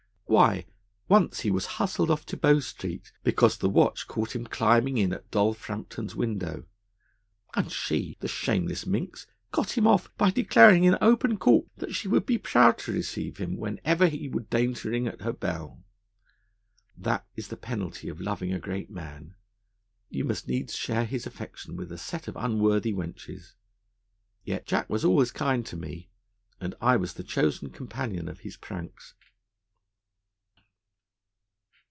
Why, once he was hustled off to Bow Street because the watch caught him climbing in at Doll Frampton's window. And she, the shameless minx, got him off by declaring in open court that she would be proud to receive him whenever he would deign to ring at her bell. That is the penalty of loving a great man: you must needs share his affection with a set of unworthy wenches. Yet Jack was always kind to me, and I was the chosen companion of his pranks.